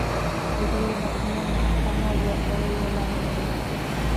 له ډېرو ماشومانو څخه ناز ورکول یو لامل دی.